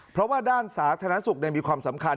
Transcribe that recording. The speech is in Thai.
เพราะว่าด้านศาสตร์ธนสุขได้มีความสำคัญ